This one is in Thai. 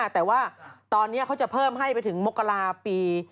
แต่ว่าตอนนี้เขาจะเพิ่มให้ไปถึงมกราปี